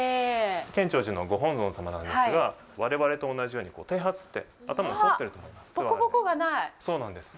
建長寺のご本尊様なんですが我々と同じように剃髪って頭をそっておられるんです。